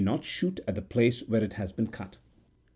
not shoot at the place where it has been cut.